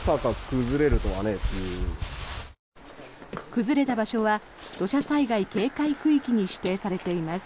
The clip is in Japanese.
崩れた場所は土砂災害警戒区域に指定されています。